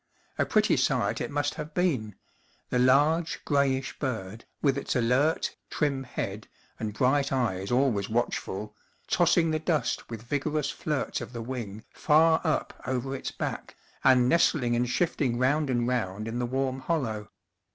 A pretty sight it must have been the large, grayish bird, with its alert, trim head and bright eyes always watchful, tossing the dust with vig orous flirts of the wing far up over its back, and nestling and shifting round and round in the warm hollow.